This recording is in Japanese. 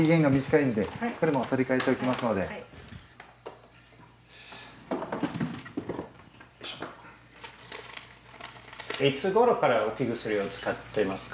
いつごろから置き薬を使ってますか？